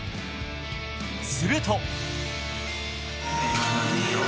すると。